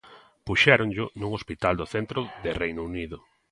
Puxéronllo nun hospital do centro de Reino Unido.